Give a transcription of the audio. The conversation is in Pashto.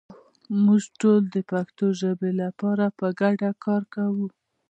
موږ ټول د پښتو ژبې لپاره په ګډه کار کوو.